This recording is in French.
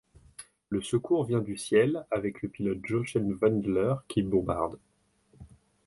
Le secours vient du ciel avec le pilote Jochen Wendler qui bombarde.